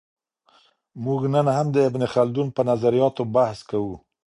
موږ نن هم د ابن خلدون په نظریاتو بحث کوو.